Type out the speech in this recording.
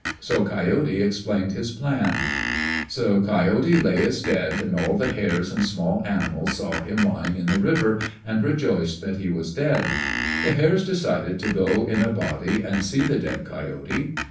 So Coyote explained his plan.... So Coyote lay as dead, and all the Hares and small animals saw him lying in the river, and rejoiced that he was dead. The Hares decided to go in a body and see the dead Coyote.